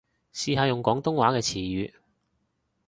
試下用廣東話嘅詞語